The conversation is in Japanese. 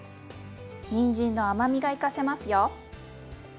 にんじんの甘みが生かせますよ。